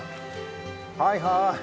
はいはい。